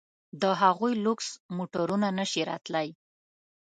د هغوی لوکس موټرونه نه شي راتلای.